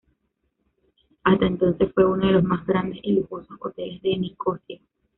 Hasta entonces, fue uno de los más grandes y lujosos hoteles de Nicosia.